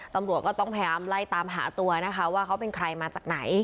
ตำรวจก็ต้องพยายามไล่ตามหาตัวนะคะว่าเขาเป็นใครมาจากไหน